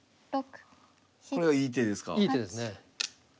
これがいい手ですか？